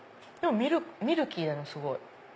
ミルキーだなすごい。